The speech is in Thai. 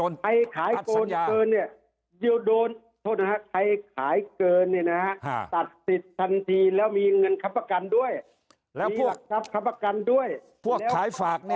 มีความตัดสิทธิ์ทันทีแล้วมีเงินคับประกันด้วย